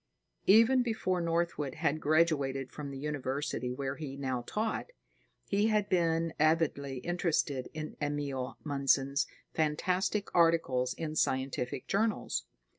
Even before Northwood had graduated from the university where he now taught, he had been avidly interested in Emil Mundson's fantastic articles in scientific journals.